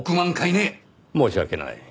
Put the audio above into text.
申し訳ない。